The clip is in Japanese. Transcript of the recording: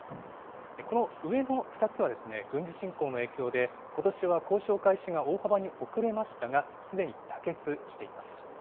この上の２つは、軍事侵攻の影響で、ことしは交渉開始が大幅に遅れましたが、すでに妥結しています。